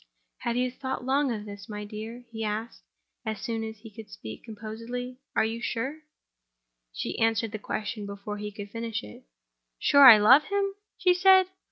"Have you thought long of this, my dear?" he asked, as soon as he could speak composedly. "Are you sure—?" She answered the question before he could finish it. "Sure I love him?" she said.